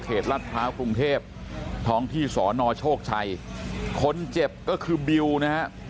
รัฐพร้าวกรุงเทพท้องที่สอนอโชคชัยคนเจ็บก็คือบิวนะฮะ